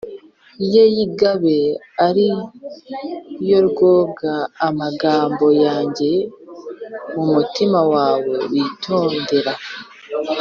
Ye y ingabe ari yo rwoga amagambo yanjye mu mutima wawe witondere